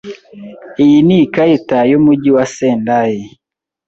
Iyi ni ikarita yumujyi wa Sendai.